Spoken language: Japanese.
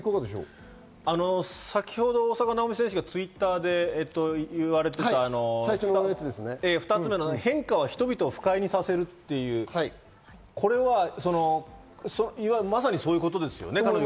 先ほど大坂なおみ選手がＴｗｉｔｔｅｒで言われていた変化は人々を不快にさせるという、これはまさにそういうことですよね。